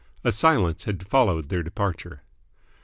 A silence had followed their departure.